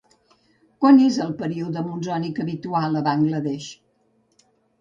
Quan és el període monsònic habitual a Bangla Desh?